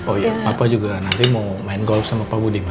oh iya bapak juga nanti mau main golf sama pak budiman